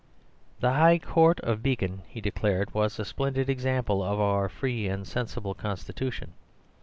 The High Court of Beacon, he declared, was a splendid example of our free and sensible constitution.